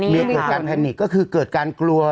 เกิดการแพนิกก็คือเกิดการกลัว